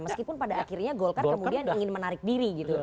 meskipun pada akhirnya golkar kemudian ingin menarik diri gitu